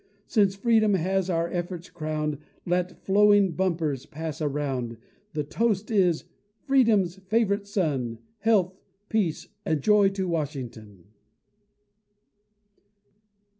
Since Freedom has our efforts crown'd, Let flowing bumpers pass around: The toast is, "Freedom's favorite son, Health, peace, and joy to Washington!"